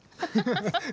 ハハハハ！